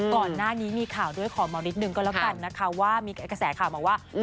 ก่อนหน้านี้มีข่าวด้วยขอเมานิดนึงก็แล้วกันนะคะว่ามีกระแสข่าวมาว่า